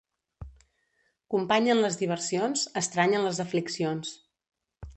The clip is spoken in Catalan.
Company en les diversions, estrany en les afliccions.